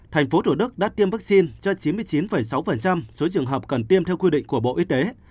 thành phố thủ đức đã tiêm vaccine cho chín mươi chín sáu số trường hợp cần tiêm theo quy định của bộ y tế